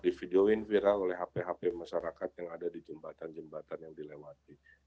di videoin viral oleh hp hp masyarakat yang ada di jembatan jembatan yang dilewati